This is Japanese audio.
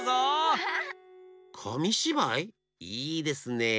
いいですねえ。